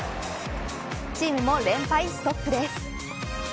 チームも連敗ストップです。